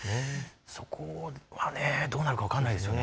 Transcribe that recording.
そこはどうなるか分からないですよね。